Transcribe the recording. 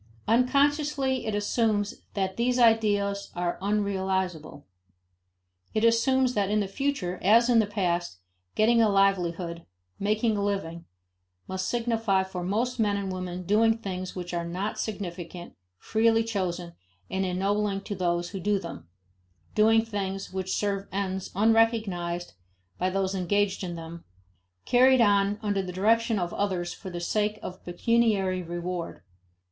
Unconsciously it assumes that these ideals are unrealizable; it assumes that in the future, as in the past, getting a livelihood, "making a living," must signify for most men and women doing things which are not significant, freely chosen, and ennobling to those who do them; doing things which serve ends unrecognized by those engaged in them, carried on under the direction of others for the sake of pecuniary reward.